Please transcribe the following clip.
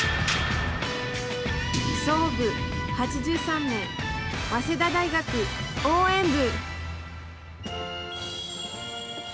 創部８３年早稲田大学応援部。